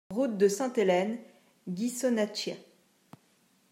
Route de Sainte-Helene, Ghisonaccia